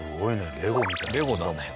レゴだね。